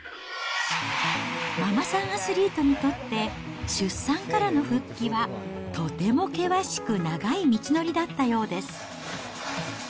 ママさんアスリートにとって、出産からの復帰はとても険しく長い道のりだったようです。